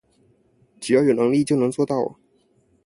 只要有能力就能做到